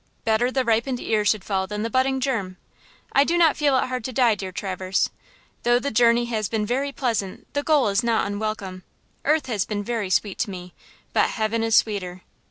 Better the ripened ear should fall than the budding germ. I do not feel it hard to die, dear Traverse. Though the journey has been very pleasant the goal is not unwelcome. Earth has been very sweet to me, but heaven is sweeter."